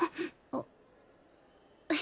あっ。